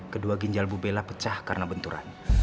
kedua ginjal bu bella pecah karena benturan